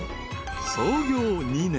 ［創業２年。